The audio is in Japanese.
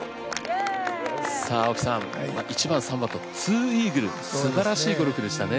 さあ青木さん１番３番と２イーグルすばらしいゴルフでしたね。